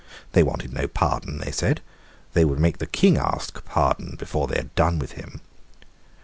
They wanted no pardon, they said. They would make the King ask pardon before they had done with him.